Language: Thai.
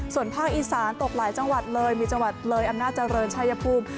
ส่วนภาคอีสานตกหลายจังหวัดเลยมีจังหวัดเลยอำนาจเจริญชายภูมิ